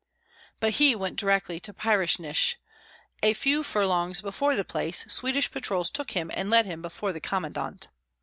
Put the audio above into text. But he went directly to Pryasnysh. A few furlongs before the place Swedish patrols took him and led him before the commandant.